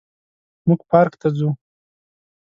موږ پارک ته ځو